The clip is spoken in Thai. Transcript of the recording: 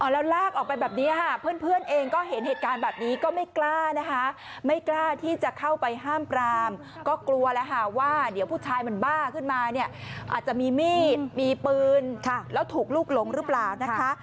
แล้วลากออกไปแบบนี้ค่ะเพื่อนเองก็เห็นเหตุการณ์แบบนี้ก็ไม่กล้านะคะไม่กล้าที่จะเข้าไปห้ามปรามก็กลัวแล้วค่ะว่าเดี๋ยวผู้ชายมันบ้าขึ้นมาเนี่ยอาจจะมีมีดมีปืนแล้วถูกลูกหลงหรือเปล่านะคะ